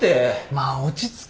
まあ落ち着けって。